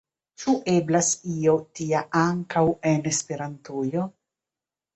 Ĉu eblas io tia ankaŭ en Esperantujo?